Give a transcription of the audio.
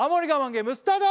ゲームスタート